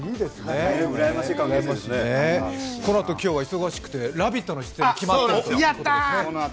このあと今日は忙しくて「ラヴィット！」の出演が決まっているんですよね。